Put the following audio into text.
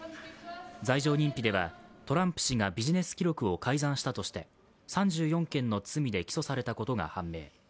罪状認否では、トランプ氏がビジネス記録を改ざんしたとして３４件の罪で起訴されたことが判明。